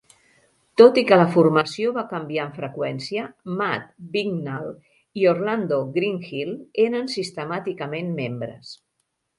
Tot i que la formació va canviar amb freqüència, Matt Wignall i Orlando Greenhill eren sistemàticament membres.